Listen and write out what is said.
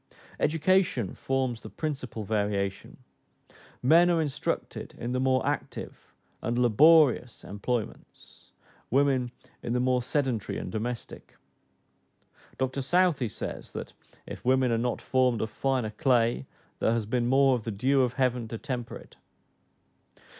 Education forms the principal variation: men are instructed in the more active and laborious employments, women in the more sedentary and domestic. Dr Southey says, that "if women are not formed of finer clay, there has been more of the dew of heaven to temper it."